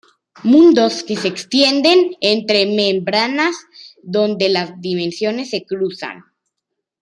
Mundos que se extienden entre membranas donde las dimensiones se cruzan...